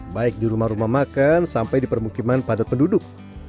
baik di rumah rumah makan sampai di permukiman padat penduduk